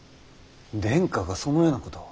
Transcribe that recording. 殿下がそのようなことを。